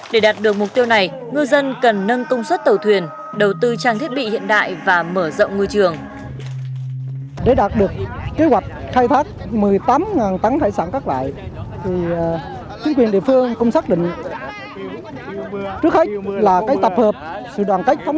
để đạt được mục tiêu này ngư dân cần nâng công suất tàu thuyền đầu tư trang thiết bị hiện đại và mở rộng ngư trường